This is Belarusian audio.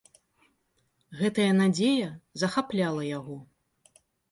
Гэтая надзея захапляла яго.